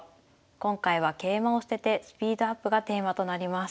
今回は「桂馬を捨ててスピードアップ」がテーマとなります。